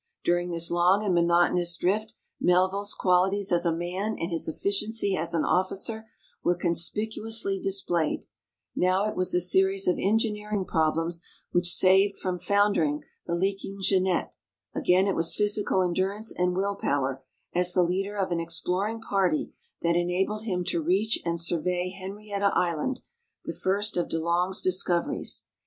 During this long and monotonous drift Melville's quali ties as a man and his efficiency as an officer were conspicuousl}^ displayed ; now it was a series of engineering problems which saved from foundering the leaking Jeannette, again it was ph3^sical endurance and will power as the leader of an exploring party that enabled him to reach and survey Henrietta island, the first of De Long's discoveries.